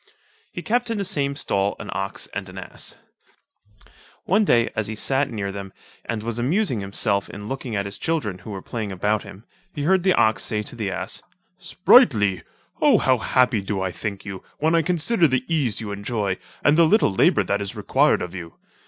He kept in the same stall an ox and an ass. One day as he sat near them, and was amusing himself in looking at his children who were playing about him, he heard the ox say to the ass, "Sprightly, O! how happy do I think you, when I consider the ease you enjoy, and the little labour that is required of you.